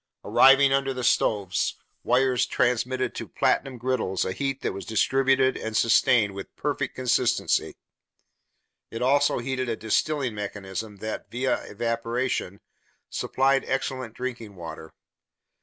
Arriving under the stoves, wires transmitted to platinum griddles a heat that was distributed and sustained with perfect consistency. It also heated a distilling mechanism that, via evaporation, supplied excellent drinking water.